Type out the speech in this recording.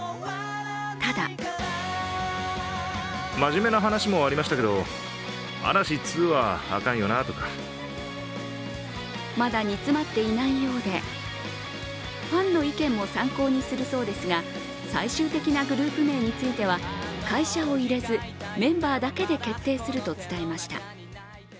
ただまだ煮詰まっていないようでファンの意見も参考にするそうですが最終的なグループ名については会社を入れず、メンバーだけで決定すると伝えました。